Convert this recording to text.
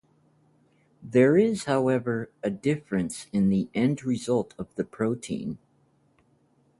There is however, a difference in the end result of the protein.